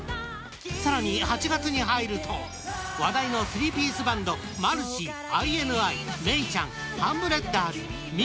更に、８月に入ると話題のスリーピースバンドマルシィＩＮＩ、めいちゃんハンブレッダーズＭ！